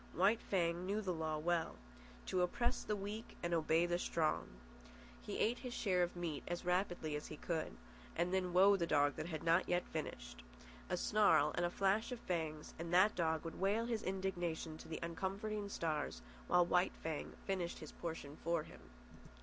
White Fang knew the law well: to oppress the weak and obey the strong. He ate his share of meat as rapidly as he could. And then woe the dog that had not yet finished! A snarl and a flash of fangs, and that dog would wail his indignation to the uncomforting stars while White Fang finished his portion for him.